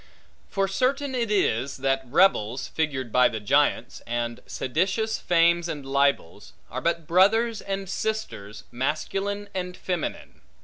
For certain it is, that rebels, figured by the giants, and seditious fames and libels, are but brothers and sisters, masculine and feminine.